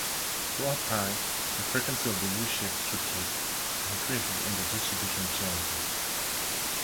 Throughout time, the frequency of the U-shaped structures increases, and their distribution changes.